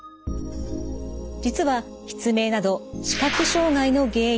実は失明など視覚障害の原因